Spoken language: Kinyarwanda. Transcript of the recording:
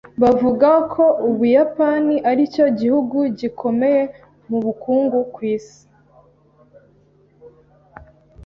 Bavuga ko Ubuyapani aricyo gihugu gikomeye mu bukungu ku isi.